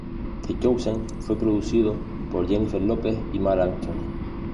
The Chosen", producido por Jennifer López y Marc Anthony.